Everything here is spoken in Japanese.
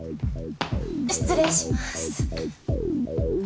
失礼します。